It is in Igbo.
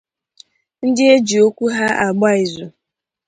ndị e ji okwu ha agba ìzù